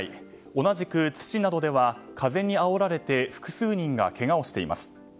同じく津市などでは風にあおられて複数人がけがなどをしています。